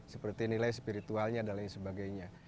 seperti nilai spiritualnya dan lain sebagainya